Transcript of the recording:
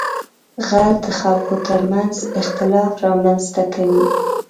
غل د خلکو تر منځ اختلاف رامنځته کوي